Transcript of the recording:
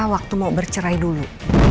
waktu mau bercerai dulu